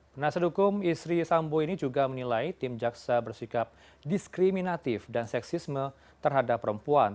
penasihat hukum istri sambo ini juga menilai tim jaksa bersikap diskriminatif dan seksisme terhadap perempuan